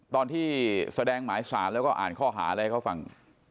ตอนที่แสดงหงายสารแล้วก็อ่านค่อหาแล้วเข้าฟัง